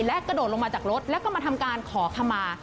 และกระโดดลงมาจากรถแล้วก็มาทำการขอขมา